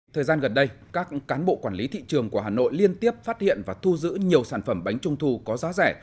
thời gian gần đây các cán bộ quản lý thị trường của hà nội liên tiếp phát hiện và thu giữ nhiều sản phẩm bánh trung thu có giá rẻ